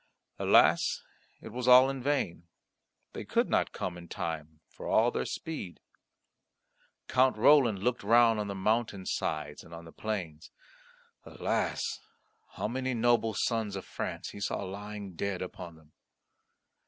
Alas! it was all in vain; they could not come in time for all their speed. Count Roland looked round on the mountain sides and on the plains. Alas! how many noble sons of France he saw lying dead upon them!